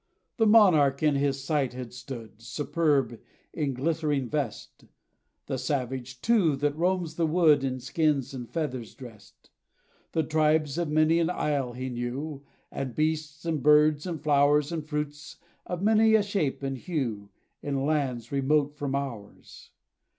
The monarch in his sight had stood, Superb, in glittering vest; The savage, too, that roams the wood, In skins and feathers dressed. The tribes of many an isle he knew; And beasts, and birds, and flowers, And fruits, of many a shape and hue, In lands remote from ours.